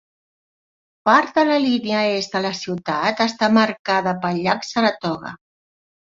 Part de la línia est de la ciutat està marcada pel llac Saratoga.